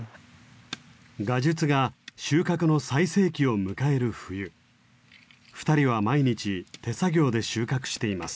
ガジュツが収穫の最盛期を迎える冬２人は毎日手作業で収穫しています。